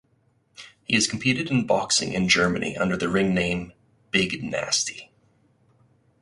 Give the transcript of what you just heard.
He has competed in boxing in Germany under the ring name "Big Nasty".